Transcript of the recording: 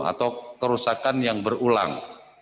atau kerusakan yang berulang